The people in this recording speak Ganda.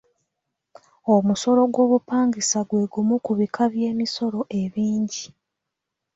Omusolo gw'obupangisa gwe gumu ku bika by'emisolo ebingi.